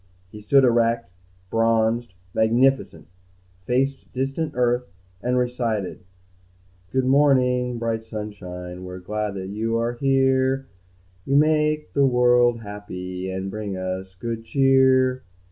He stood erect, bronzed, magnificent, faced distant Earth, and recited: "Good morning, bright sunshine, We're glad you are here. You make the world happy, And bring us good cheer."